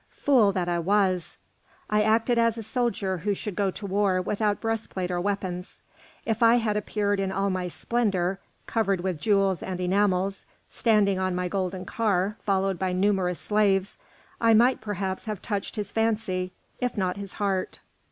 Fool that I was! I acted as a soldier who should go to war without breastplate or weapons. If I had appeared in all my splendour, covered with jewels and enamels, standing on my golden car followed by my numerous slaves, I might perhaps have touched his fancy, if not his heart."